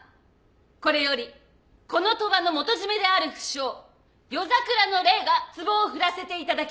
これよりこの賭場の元締である不肖夜桜の麗がツボをふらせていただきます。